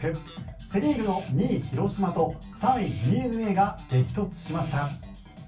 セ・リーグの２位、広島と３位、ＤｅＮＡが激突しました。